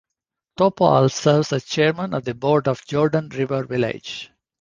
Topol serves as chairman of the board of Jordan River Village.